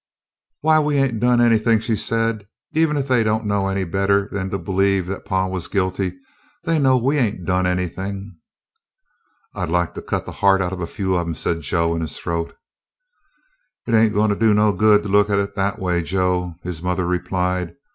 "Why, we ain't done anything," she said. "Even if they don't know any better than to believe that pa was guilty, they know we ain't done anything." "I 'd like to cut the heart out of a few of 'em," said Joe in his throat. "It ain't goin' to do no good to look at it that a way, Joe," his mother replied.